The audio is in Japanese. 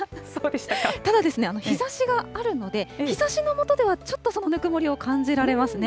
ただ日ざしがあるので、日ざしの下では、ちょっとそのぬくもりを感じられますね。